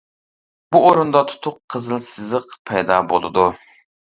بۇ ئورۇندا تۇتۇق قىزىل سىزىق پەيدا بولىدۇ.